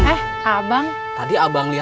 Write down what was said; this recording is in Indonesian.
cendol manis dingin